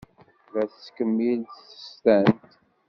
La tettkemmil tsestant.